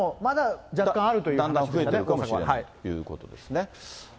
だんだん増えてくるかもしれないということですね。